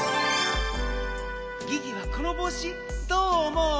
ギギはこのぼうしどうおもう？